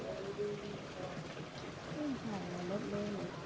พวกเขาถ่ายมันตรงกลาง